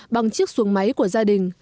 bằng chiếc xuồng máy của gia đình